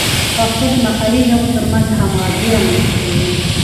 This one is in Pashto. پښتو د محلي ژبو ترمنځ همغږي رامینځته کوي.